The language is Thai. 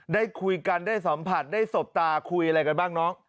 ได้คุยกันได้สัมผัสได้สบตาคุยอะไรกันบ้างน้อง